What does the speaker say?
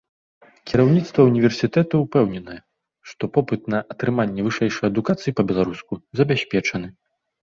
Кіраўніцтва ўніверсітэту ўпэўнена, што попыт на атрыманне вышэйшай адукацыі па-беларуску забяспечаны.